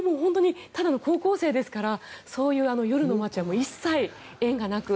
ただの高校生ですからそういう夜の街は一切縁がなく。